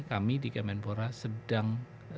kami di kemenpora sedang